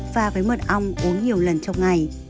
pha với mật ong uống nhiều lần trong ngày